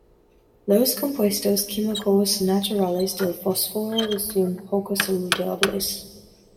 Los compuestos químicos naturales del fósforo son poco saludables.